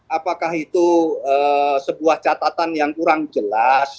apakah itu sebuah catatan yang kurang jelas